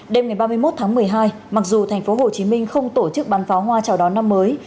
đêm ba mươi một một mươi hai mặc dù tp hcm không tổ chức bán pháo hoa chào đón năm mới